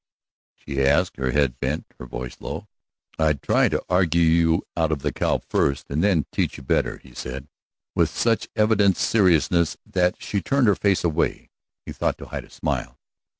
she asked, her head bent, her voice low. "I'd try to argue you out of the cow first, and then teach you better," he said, with such evident seriousness that she turned her face away, he thought to hide a smile.